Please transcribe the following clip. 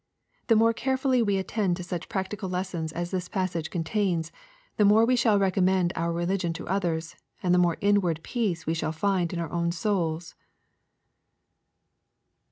The more carefully we attend to such practical lessons as this passage contains^ the more shall we recommend our religion to others, and the more inward peace shall we find in our own souls.